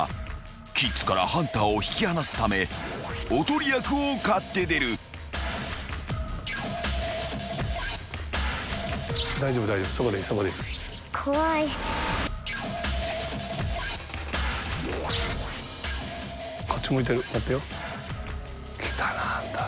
［キッズからハンターを引き離すためおとり役を買って出る］来たなハンター。